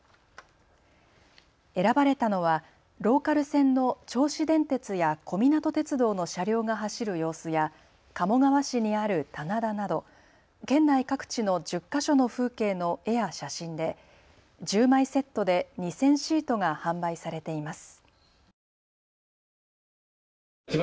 選ばれたのはローカル線の銚子電鉄や小湊鐵道の車両が走る様子や鴨川市にある棚田など県内各地の１０か所の風景の絵や写真で１０枚セットで２０００シートが販売されています。